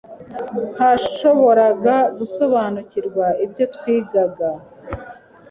ntashoboraga gusobanukirwa ibyo twigaga,